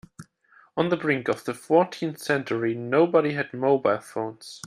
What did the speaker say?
On the brink of the fourteenth century, nobody had mobile phones.